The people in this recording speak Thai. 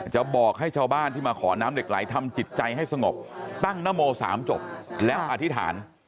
บอกให้ชาวบ้านที่มาขอน้ำเหล็กไหลทำจิตใจให้สงบตั้งนโม๓จบแล้วอธิษฐาน